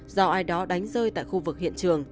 do ai đó đánh rơi tại khu vực hiện trường